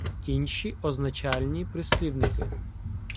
Інші означальні прислівники